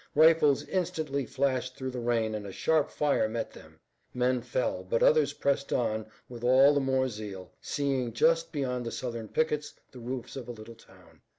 Rifles instantly flashed through the rain and a sharp fire met them. Men fell, but others pressed on with all the more zeal, seeing just beyond the Southern pickets the roofs of a little town.